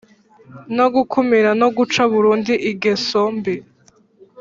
no gukumira no guca burundu igeso mbi